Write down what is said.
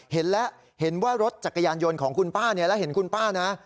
เห็นแล้วเห็นว่ารถจักรยานยนต์ของคุณป้าเนี่ยแล้วเห็นคุณป้านะ